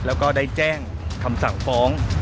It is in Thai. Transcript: แล้วก็ได้แจ้งคำสั่งฟ้อง